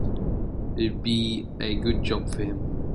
It'll be a good job for him.